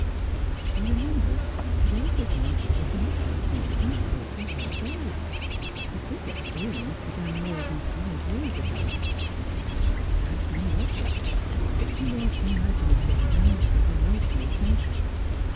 She remembered that Olga's mother was not much more than forty years old; that this experience began more than five years ago; that her life had been loveless; that she was imaginative and of emotional temper.